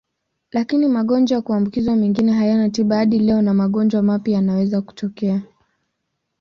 Lakini magonjwa ya kuambukizwa mengine hayana tiba hadi leo na magonjwa mapya yanaweza kutokea.